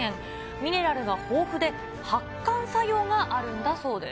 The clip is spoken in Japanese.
ミネラルが豊富で、発汗作用があるんだそうです。